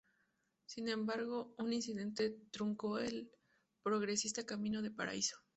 Sin embargo, un incidente truncó el progresista camino de Paraíso.